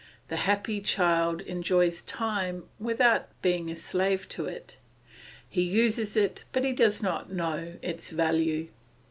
The happy child enjoys Time without being a slave to it; he uses it, but he does not know its value.